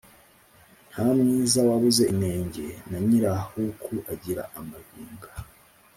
Nta mwiza wabuze inenge, na Nyirahuku agira amabinga.